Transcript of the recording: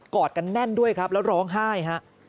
อดกันแน่นด้วยครับแล้วร้องไห้ฮะ